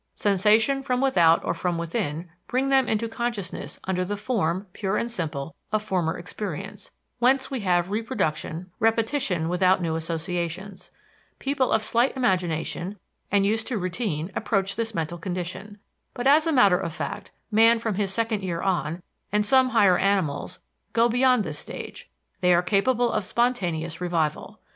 Sensation from without or from within bring them into consciousness under the form, pure and simple, of former experience; whence we have reproduction, repetition without new associations. People of slight imagination and used to routine approach this mental condition. But, as a matter of fact, man from his second year on, and some higher animals, go beyond this stage they are capable of spontaneous revival.